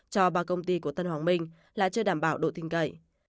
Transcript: cho ba công ty của tân hoàng minh là chưa đảm bảo độ tin cậy